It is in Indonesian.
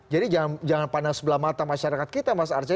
jadi jangan pandang sebelah mata masyarakat kita mas ars